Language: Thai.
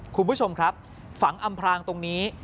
คุณผู้ชมครับฝังอำพรางตรงนี้